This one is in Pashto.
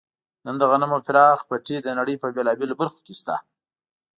نن د غنمو پراخ پټي د نړۍ په بېلابېلو برخو کې شته.